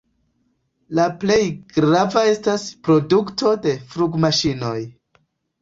La plej grava estas produkto de flugmaŝinoj.